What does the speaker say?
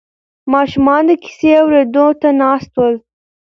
ماشومان د کیسې اورېدو ته ناست ول.